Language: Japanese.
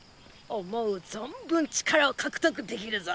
思う存分力を獲得できるゾ！